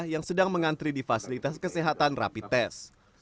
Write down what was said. yang sedang mengantri di fasilitas kesehatan rapi tes